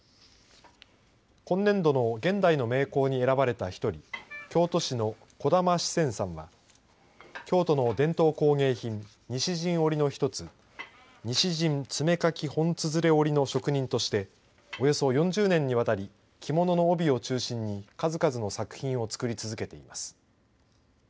今年度の現代の名工に選ばれた１人京都市の小玉紫泉さんは京都の伝統工芸品西陣織の１つ西陣爪掻本綴織の職人としておよそ４０年に渡り着物の帯を中心に数々の作品を作り続けています。